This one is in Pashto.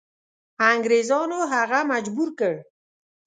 انګریزانو هغه مجبور کړ.